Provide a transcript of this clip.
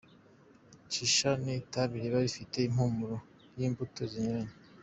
Shisha ni itabi riba rifite impumuro y’imbuto zinyuranye.